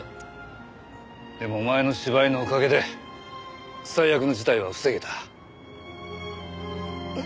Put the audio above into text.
でもお前の芝居のおかげで最悪の事態は防げた。